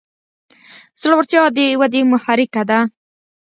زړورتیا د ودې محرکه ده.